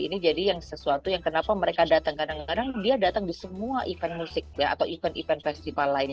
ini jadi sesuatu yang kenapa mereka datang kadang kadang dia datang di semua event musik atau event event festival lainnya